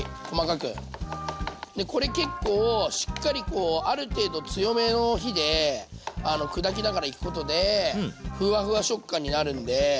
でこれ結構しっかりこうある程度強めの火で砕きながらいくことでふわふわ食感になるんで。